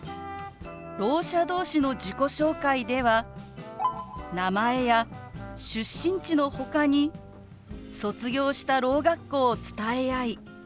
ろう者同士の自己紹介では名前や出身地のほかに卒業したろう学校を伝え合い